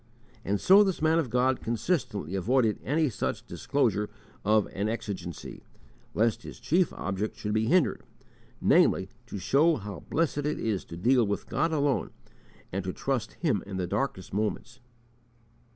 And so this man of God consistently avoided any such disclosure of an exigency, lest his chief object should be hindered, namely, "to show how blessed it is to deal with God alone, and to trust Him in the darkest moments."